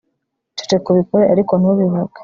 ceceka ubikore ariko ntubivuge